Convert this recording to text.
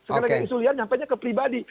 sekarang isu liar nyampe ke pribadi